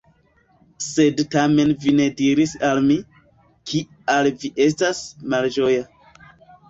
Sed tamen vi ne diris al mi, kial vi estas malĝoja.